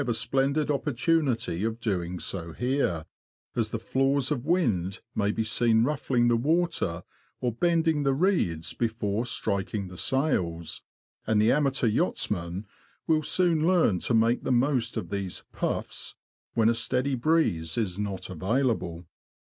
a splendid opportunity of doing so here, as the flaws of wind may be seen ruffling the water or bending the reeds before striking the sails, and the amateur yachtsman will soon learn to make the most of these " puffs " when a steady breeze is not available.